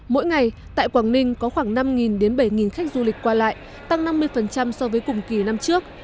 mỗi ngày tại quảng ninh có khoảng năm bảy khách du lịch qua lại tăng năm mươi so với cùng kỳ năm trước